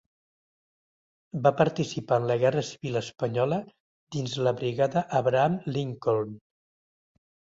Va participar en la Guerra Civil Espanyola dins la Brigada Abraham Lincoln.